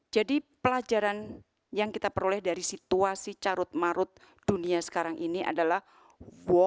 jadi pelajaran yang kita peroleh dari situasi carut marut dunia sekarang ini adalah walk the talk